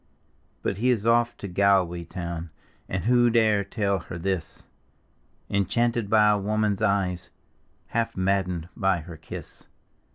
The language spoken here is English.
But he is off to Galway town, (And who dare tell her this?) Enchanted by a woman's eyes, Half maddcncd by her kiss.